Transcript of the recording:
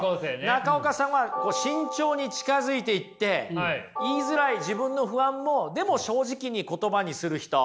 中岡さんは慎重に近づいていって言いづらい自分の不安もでも正直に言葉にする人。